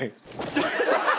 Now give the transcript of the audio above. ハハハハ！